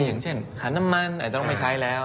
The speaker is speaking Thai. อย่างเช่นขนมันไม่ใช้แล้ว